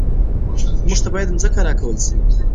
موږ ته باید ځمکه راکړل شي